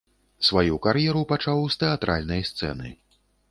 Сваю кар'еру пачаў з тэатральнай сцэны.